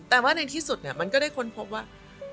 แต่ว่าในที่สุดมันก็ได้ค้นพบว่า